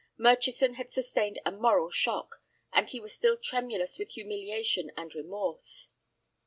Murchison had sustained a moral shock, and he was still tremulous with humiliation and remorse.